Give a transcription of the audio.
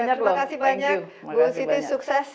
terima kasih banyak bu siti sukses